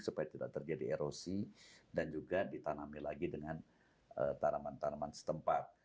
supaya tidak terjadi erosi dan juga ditanami lagi dengan tanaman tanaman setempat